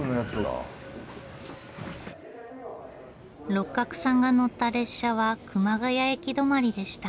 六角さんが乗った列車は熊谷駅止まりでした。